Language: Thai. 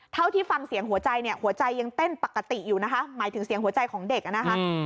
เท่าที่ฟังเสียงหัวใจเนี่ยหัวใจยังเต้นปกติอยู่นะคะหมายถึงเสียงหัวใจของเด็กอ่ะนะคะ